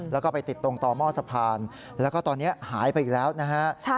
แล้วก็ไปติดตรงต่อหม้อสะพานแล้วก็ตอนนี้หายไปอีกแล้วนะฮะ